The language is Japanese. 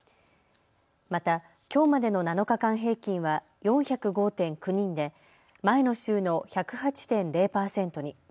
また、きょうまでの７日間平均は４０５．９人で前の週の１０８．０％に。